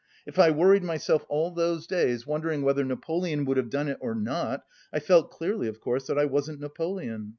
If I worried myself all those days, wondering whether Napoleon would have done it or not, I felt clearly of course that I wasn't Napoleon.